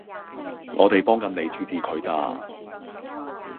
我哋幫緊你處置佢咋